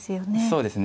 そうですね。